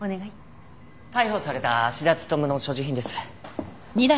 逮捕された芦田勉の所持品です。